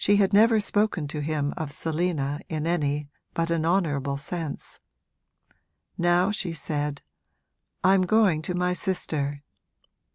She had never spoken to him of Selina in any but an honourable sense. Now she said, 'I'm going to my sister.'